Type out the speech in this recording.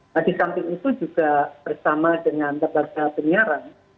nah di samping itu juga bersama dengan lembaga penyiaran